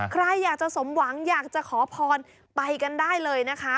ใครอยากจะสมหวังอยากจะขอพรไปกันได้เลยนะคะ